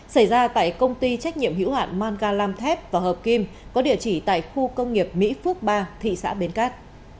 xảy ra tại công ty trách nhiệm hữu hạn mangalam thép và hợp kim có địa chỉ tại khu công nghiệp mỹ phước ba thị xã bến cát